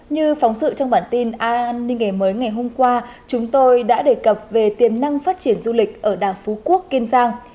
như phóng sự trong bản tin an ninh ngày mới ngày hôm qua chúng tôi đã đề cập về tiềm năng phát triển du lịch ở đảo phú quốc kiên giang